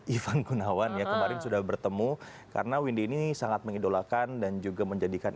ivan gunawan ya kemarin sudah bertemu karena windy ini sangat mengidolakan dan juga menjadikan